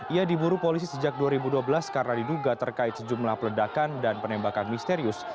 ia diburu polisi sejak dua ribu dua belas karena diduga terkait sejumlah peledakan dan penembakan misterius